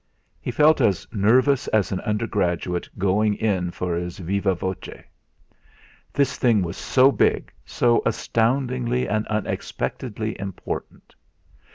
He felt as nervous as an undergraduate going up for his viva' voce. This thing was so big, so astoundingly and unexpectedly important.